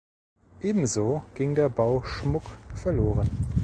Ebenso ging der Bauschmuck verloren.